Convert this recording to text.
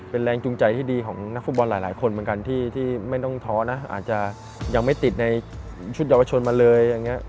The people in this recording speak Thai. เป็นแรงจูงใจที่ดีของนักฟุตบอลหลายคนเหมือนกันที่ไม่ต้องท้อนะอาจจะยังไม่ติดในชุดเยาวชนมาเลยอย่างนี้